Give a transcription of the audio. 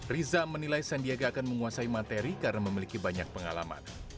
riza menilai sandiaga akan menguasai materi karena memiliki banyak pengalaman